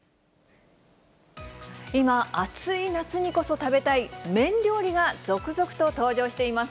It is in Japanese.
今、暑い夏にこそ食べたい麺料理が続々と登場しています。